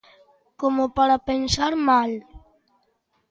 Como para pensar mal.